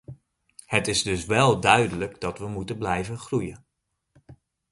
Het is dus wel duidelijk dat we moeten blijven groeien.